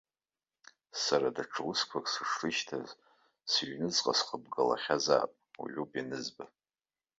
Сара даҽа усқәак сышрышьҭаз, сыҩныҵҟа схыбгалахьазаап, уажәоуп ианызба.